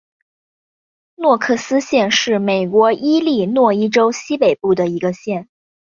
诺克斯县是美国伊利诺伊州西北部的一个县。